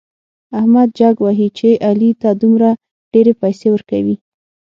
احمد جک وهي چې علي ته دومره ډېرې پيسې ورکوي.